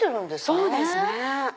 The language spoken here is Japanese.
そうですね。